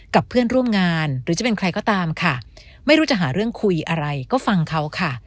กับเพื่อนร่วมงานหรือจะเป็นใครก็ตามค่ะไม่รู้จะหาเรื่องคุยอะไรก็ฟังเขาค่ะ